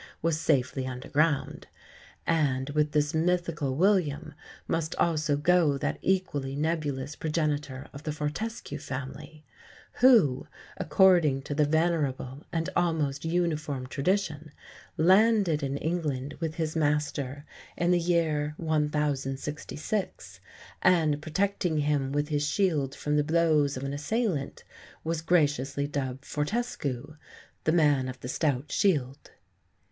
was safely underground; and with this mythical William must also go that equally nebulous progenitor of the Fortescue family, "who" according to the venerable and almost uniform tradition, "landed in England with his master in the year 1066, and, protecting him with his shield from the blows of an assailant, was graciously dubbed 'Fortescu,' the man of the stout shield."